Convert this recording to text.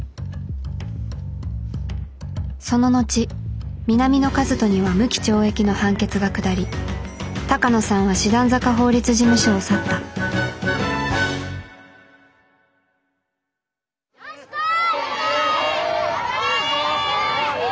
その後南野一翔には無期懲役の判決が下り鷹野さんは師団坂法律事務所を去ったよし来い！